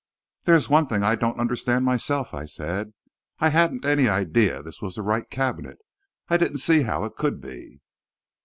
"There is one thing I don't understand, myself," I said. "I hadn't any idea this was the right cabinet. I didn't see how it could be."